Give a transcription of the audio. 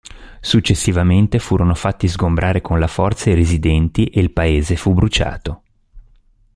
Successivamente furono fatti sgombrare con la forza i residenti e il paese fu bruciato.